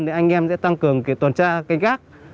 thì anh em sẽ tăng cường tuần tra canh gác